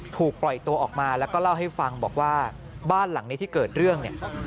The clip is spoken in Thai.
ถูกปล่อยตัวออกมาแล้วก็เล่าให้ฟังบอกว่าบ้านหลังนี้ที่เกิดเรื่องเนี่ย